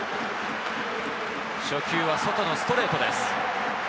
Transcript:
初球は外のストレートです。